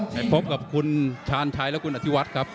ให้พบกับคุณชาญชายและคุณอธิวัตรครับ